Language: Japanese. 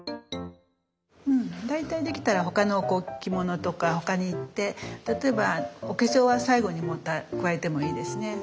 大体できたら他の着物とか他にいって例えばお化粧は最後に加えてもいいですね。